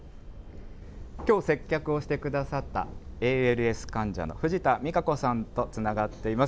きょう、接客をしてくださったＡＬＳ患者の藤田美佳子さんとつながっています。